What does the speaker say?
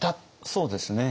そうですね。